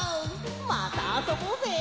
またあそぼうぜ！